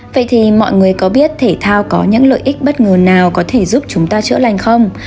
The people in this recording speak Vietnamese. vậy thì mọi người có biết thể thao có những lợi ích bất ngờ nào có thể giúp chúng ta chữa lành không